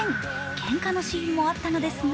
けんかのシーンもあったのですが